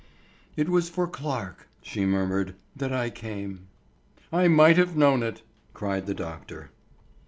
"It was for Clarke," she murmured, "that I came." "I might have known it," cried the doctor.